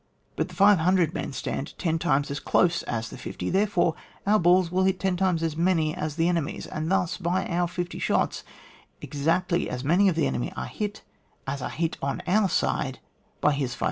But the 500 men stand ten times as close as the 50, therefore our balls hit ten times as many as the enemy's, and thus, by our 50 shots, exactly as many of the enemy are hit as are hit on our side by his 500.